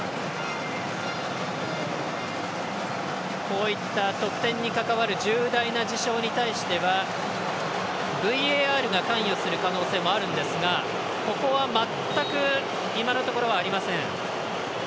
こういった得点に関わる重大な事象に対してはＶＡＲが関与する可能性もあるんですがここは全く今のところはありません。